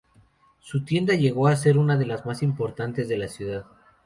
Su tienda llegó a ser una de las más importantes de la ciudad.